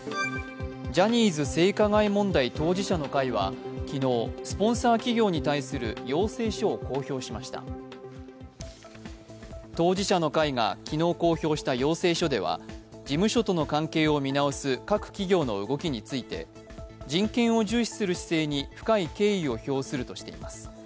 ジャニーズ性加害問題当事者の会は昨日、スポンサー企業に対する要請書を公表しました当事者の会が昨日公表した要請書では、事務所との関係を見直す各企業の動きについて人権を重視する姿勢に深い敬意を表するとしています。